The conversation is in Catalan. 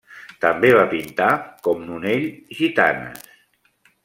També va pintar, com Nonell, gitanes.